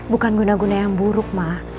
bukan guna guna yang buruk mah